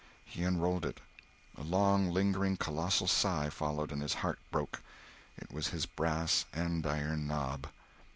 He unrolled it. A long, lingering, colossal sigh followed, and his heart broke. It was his brass andiron knob!